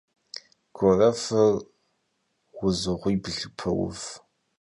Guerefır vuzığuibl pouv.